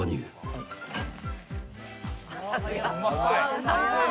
うまい。